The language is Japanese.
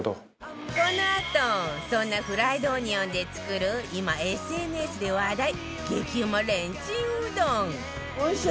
このあとそんなフライドオニオンで作る今 ＳＮＳ で話題激うまレンチンうどん